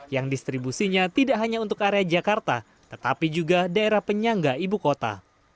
yang distribusinya tidak hanya untuk area jakarta tetapi juga daerah penyangga ibu kota